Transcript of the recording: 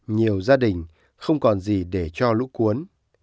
nhiều gia đình không còn gì để cho lũ cuốn